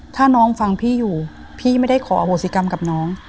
ถ้าน้องฟังพี่อยู่พี่ไม่ได้ขออโหสิกรรมกับน้อง